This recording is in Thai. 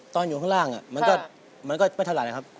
ตอนอยู่ข้างล่างอ่ะมันก็ไม่แทรกนะครับ